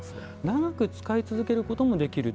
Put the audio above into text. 長く使い続けることもできる？